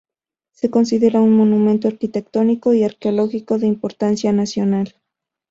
Se considera un monumento arquitectónico y arqueológico de importancia nacional.